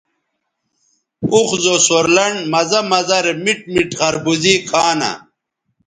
اوخ زو سور لنڈ مزہ مزہ رے میٹ میٹ خربوزے کھانہ